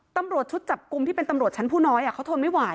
ตำรวจชุดจับกลุ่มที่เป็นตำรวจชั้นผู้น้อยเขาทนไม่ไหว